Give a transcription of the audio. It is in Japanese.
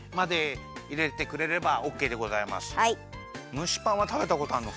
むしパンはたべたことあんの？